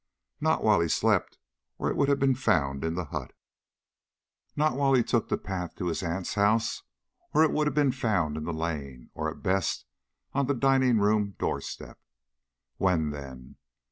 Not while he slept, or it would have been found in the hut. Not while he took the path to his aunt's house, or it would have been found in the lane, or, at best, on the dining room door step. When, then?